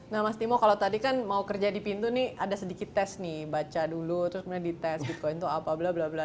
nah mas timo kalau tadi kan mau kerja di pintu nih ada sedikit tes nih baca dulu terus kemudian dites bitcoin tuh apa blablabla